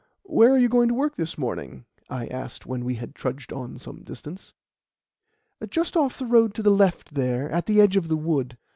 "Where are you going to work this morning?" I asked, when we had trudged on some distance. "Just off the road to the left there, at the edge of the wood.